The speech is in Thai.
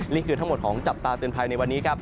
นี่คือทั้งหมดของจับตาเตือนภัยในวันนี้ครับ